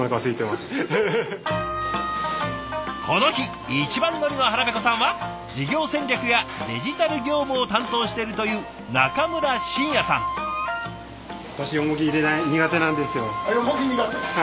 この日一番乗りの腹ペコさんは事業戦略やデジタル業務を担当してるという中村真也さん。あっヨモギ苦手？